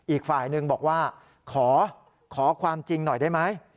อีกฝ่ายหนึ่งบอกว่าขอความจริงหน่อยได้ไหม